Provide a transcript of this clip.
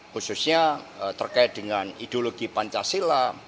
khususnya terkait dengan ideologi pancasila